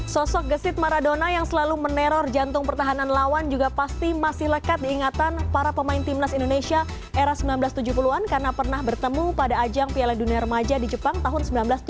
sosok gesit maradona yang selalu meneror jantung pertahanan lawan juga pasti masih lekat diingatan para pemain timnas indonesia era seribu sembilan ratus tujuh puluh an karena pernah bertemu pada ajang piala dunia remaja di jepang tahun seribu sembilan ratus tujuh puluh